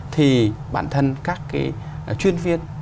thì bản thân các chuyên viên